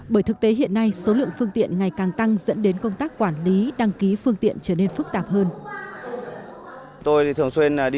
bởi thực tế hiện nay số lượng phương tiện ngày càng tăng dẫn đến công tác quản lý đăng ký phương tiện trở nên phức tạp hơn